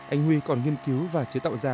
anh huy còn nghiên cứu và chế tạo ra